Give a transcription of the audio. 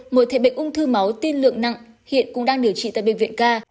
một thể bệnh ung thư máu tiên lượng nặng hiện cũng đang điều trị tại bệnh viện ca